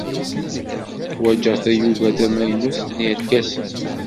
Ḥwajeɣ tayuga tamaynut n yerkasen.